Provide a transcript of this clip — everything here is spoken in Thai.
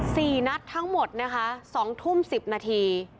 สี่นัดทั้งหมดนะคะสองทุ่มสิบนาที